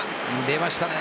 出ましたね。